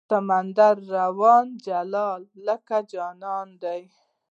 سمندر رانه جلا لکه جانان دی